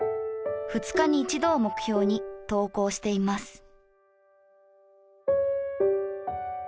２日に１度を目標に投稿しています。